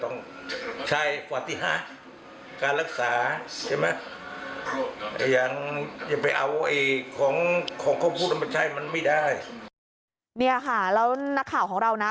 เนี่ยค่ะแล้วนักข่าวของเรานะ